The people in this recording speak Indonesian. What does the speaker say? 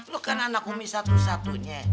lo kan anak umi satu satunya